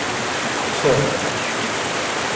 Tter.